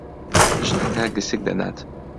ژنەکە گسک دەدات.